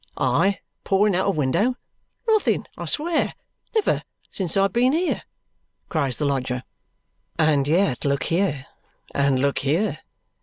"I pouring out of window! Nothing, I swear! Never, since I have been here!" cries the lodger. And yet look here and look here!